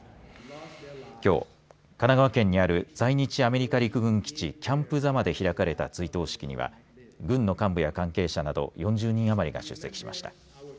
きょう神奈川県にある在日アメリカ陸軍基地キャンプ座間で開かれた追悼式には軍の幹部や関係者など４０人余りが出席しました。